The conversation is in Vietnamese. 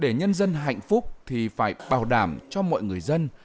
để nhân dân hạnh phúc thì phải bảo đảm cho mọi người dân